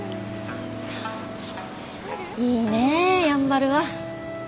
いいねやんばるは。